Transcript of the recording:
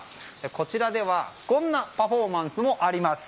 こちらではこんなパフォーマンスもあります。